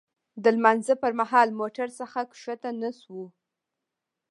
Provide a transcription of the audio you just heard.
د لمانځه پر مهال موټر څخه ښکته نه شوو.